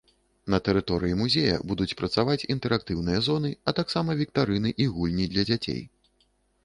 На тэрыторыі музея будуць працаваць інтэрактыўныя зоны, а таксама віктарыны і гульні для дзяцей.